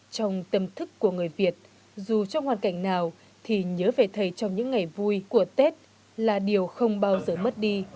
trong tâm thức của người việt dù trong hoàn cảnh nào thì nhớ về thầy trong những ngày vui của tết là điều không bao giờ mất đi